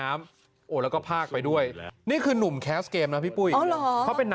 ไม่ได้ขี้เกียจ